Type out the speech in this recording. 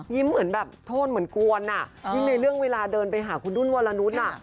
ยิ้มเหมือนโทนเหมือนกวนยิ้มในเรื่องเวลาเดินไปหาคุณดุ้นวรณุชน์